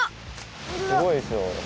すごいですよフフ。